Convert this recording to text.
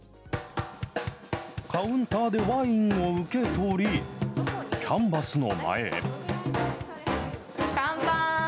カウンターでワインを受け取り、キャンバスの前へ。